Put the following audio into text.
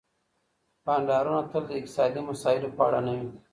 بانډارونه تل د اقتصادي مسايلو په اړه نه وي.